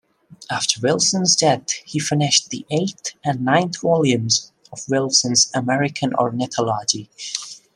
After Wilson's death he finished the eighth and ninth volumes of Wilson's "American Ornithology".